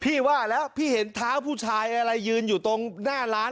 ว่าแล้วพี่เห็นเท้าผู้ชายอะไรยืนอยู่ตรงหน้าร้าน